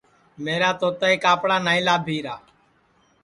میرا توتائی کاپڑا نائی لابھی را